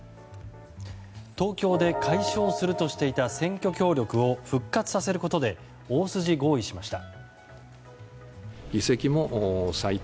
東京で解消するとしていた選挙協力を復活させることで大筋合意しました。